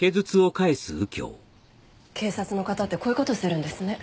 警察の方ってこういう事するんですね。